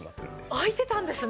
空いてたんですね